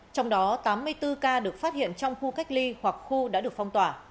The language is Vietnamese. trong đó tám mươi bốn ca được phát hiện trong khu cách ly hoặc khu đã được phong tỏa